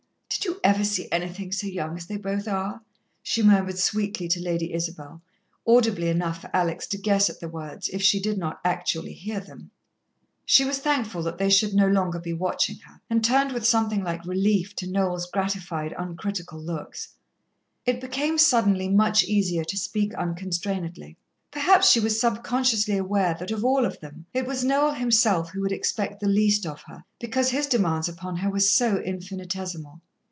"Did you ever see anything so young as they both are?" she murmured sweetly to Lady Isabel, audibly enough for Alex to guess at the words, if she did not actually hear them. She was thankful that they should no longer be watching her, and turned with something like relief to Noel's gratified, uncritical looks. It became suddenly much easier to speak unconstrainedly. Perhaps she was subconsciously aware that of all of them, it was Noel himself who would expect the least of her, because his demands upon her were so infinitesimal.